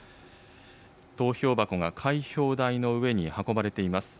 投票箱が開票台の上に運ばれています。